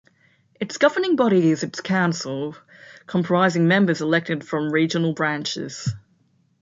Its governing body is its council, comprising members elected from regional branches.